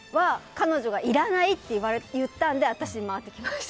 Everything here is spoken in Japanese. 彼女がいらないって言ったんで私に回ってきました。